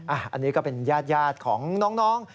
อันนี้ก็เป็นญาติของน้อง